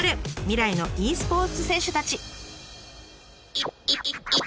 未来のｅスポーツ選手たち。